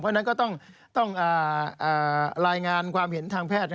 เพราะฉะนั้นก็ต้องรายงานความเห็นทางแพทย์